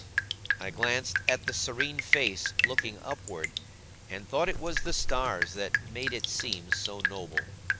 I glanced at the serene face looking upward, and thought it was the stars that made it seem so noble.